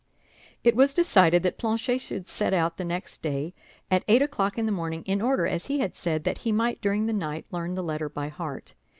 It was decided that Planchet should set out the next day, at eight o'clock in the morning, in order, as he had said, that he might during the night learn the letter by heart.